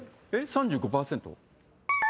「３５％」？